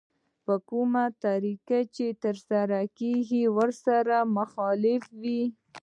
په کومه طريقه چې ترسره کېږي ورسره مخالف وي.